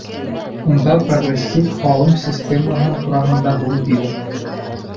Унда прогрессив һалым системаһы тураһында һүҙ юҡ.